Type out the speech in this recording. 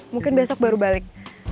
mungkin besok baru balik